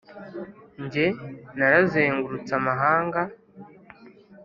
nge narazengurutse amahanga,